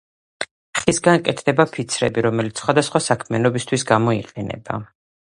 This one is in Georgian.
ხისგან კეთდება ფიცრები, რომელიც სხვადასხვა საქმიანობისთვის გამოიყენება.